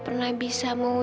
mengak hebt sawan kamu